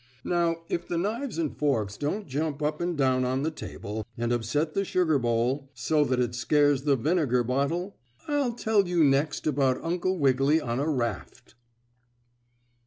Now if the knives and forks don't jump up and down on the table, and upset the sugar bowl, so that it scares the vinegar bottle, I'll tell you next about Uncle Wiggily on a raft.